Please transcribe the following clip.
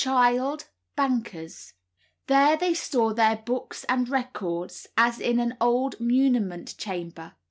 Child, bankers. There they store their books and records, as in an old muniment chamber.